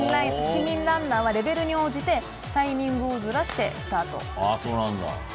市民ランナーはレベルに応じてタイミングをずらしてスタート。